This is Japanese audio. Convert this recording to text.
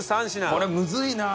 これむずいなあ。